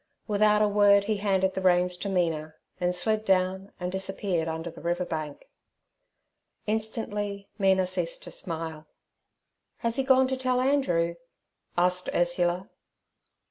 Without a word he handed the reins to Mina, then slid down and disappeared under the river bank. Instantly Mina ceased to smile. 'Has he gone to tell Andrew?' asked Ursula.